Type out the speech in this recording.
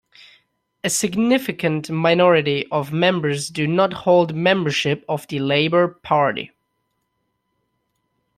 A significant minority of members do not hold membership of the Labour Party.